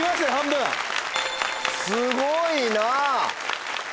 すごいな！